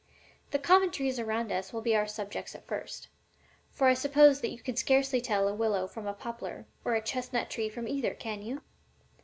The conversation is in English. The common trees around us will be our subjects at first; for I suppose that you can scarcely tell a willow from a poplar, or a chestnut tree from either, can you?"